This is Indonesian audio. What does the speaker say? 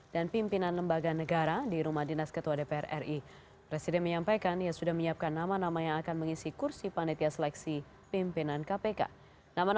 dari banyak kita satu satu kita ya kayak lima tahun yang lalu satu persatu kita lihat